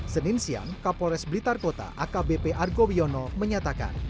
senin siang kapolres blitar kota akbp argo wiono menyatakan